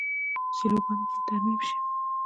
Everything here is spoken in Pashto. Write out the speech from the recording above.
سیلوګانې باید ترمیم شي.